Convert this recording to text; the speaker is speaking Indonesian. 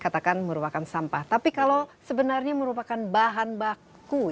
katakan merupakan sampah tapi kalau sebenarnya merupakan bahan baku